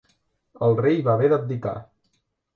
El rei va haver d'abdicar.